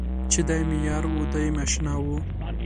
چې دی مې یار و دی مې اشنا و.